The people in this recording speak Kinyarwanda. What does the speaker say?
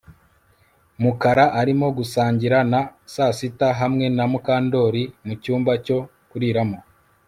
Mukara arimo gusangira na sasita hamwe na Mukandoli mucyumba cyo kuriramo